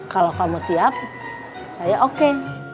kalau kamu siap saya oke